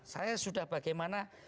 saya sudah bagaimana